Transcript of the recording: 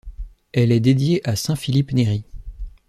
Elle est dédiée à saint Philippe Néri.